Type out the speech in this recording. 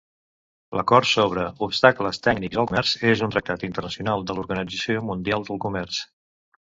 L'Acord sobre Obstacles Tècnics al Comerç és un tractat internacional de l'Organització Mundial del Comerç.